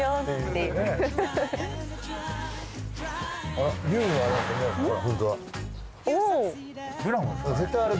あれ。